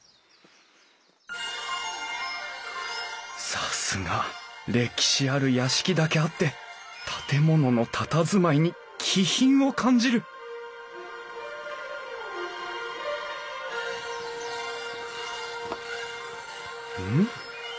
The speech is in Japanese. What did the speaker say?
さすが歴史ある屋敷だけあって建物のたたずまいに気品を感じるうん？